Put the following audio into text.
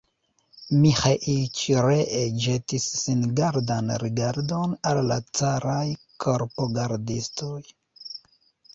Miĥeiĉ ree ĵetis singardan rigardon al la caraj korpogardistoj.